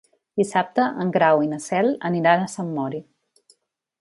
Dissabte en Grau i na Cel aniran a Sant Mori.